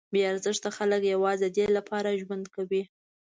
بې ارزښته خلک یوازې ددې لپاره ژوند کوي.